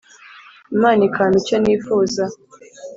imana ikampa icyo nifuza